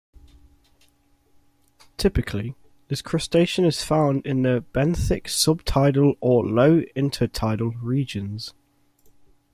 Typically, this crustacean is found in the benthic sub-tidal or low inter-tidal regions.